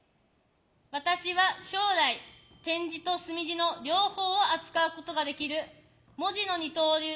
私は将来点字と墨字の両方を扱うことができる「文字の二刀流」